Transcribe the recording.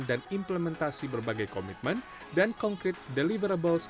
dan implementasi berbagai komitmen dan konkret deliverables